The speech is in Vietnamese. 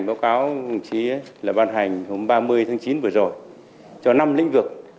báo cáo chí là ban hành hôm ba mươi tháng chín vừa rồi cho năm lĩnh vực